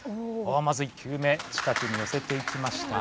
まず１球目近くによせていきました。